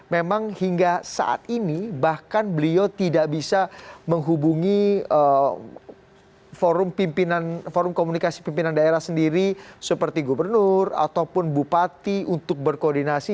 memang hingga saat ini bahkan beliau tidak bisa menghubungi forum komunikasi pimpinan daerah sendiri seperti gubernur ataupun bupati untuk berkoordinasi